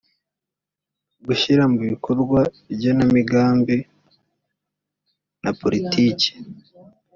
gushyira mu bikorwa igenamigambi na politiki